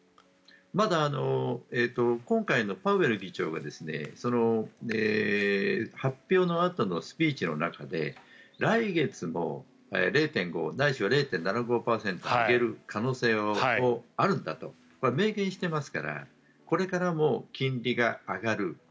まだ今回のパウエル議長が発表のあとのスピーチの中で来月も０．５ないしは０．７５％上げる可能性があるんだと明言していますからこれからも金利が上がる。